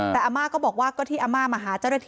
แต่อำมาตย์ก็บอกว่าก็ที่อำมาตย์มหาเจ้าเรที่มา